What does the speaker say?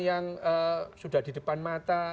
yang sudah di depan mata